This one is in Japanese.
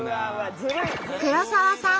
黒沢さん